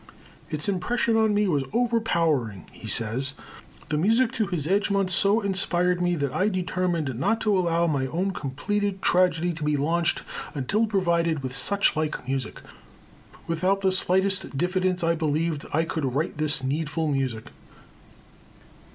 "Its impression on me was overpowering," he says. "The music to his Egmont so inspired me that I determined not to allow my own completed tragedy to be launched until provided with such like music. Without the slightest diffidence I believed that I could write this needful music."